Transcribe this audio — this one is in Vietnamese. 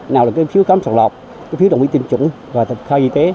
nào là phiếu khám sàng lọc phiếu đồng ý tiêm chủng và khai y tế